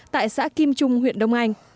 tại xã kim trung huyện đông anh